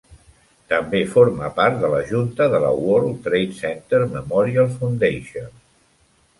També forma part de la junta de la World Trade Center Memorial Foundation.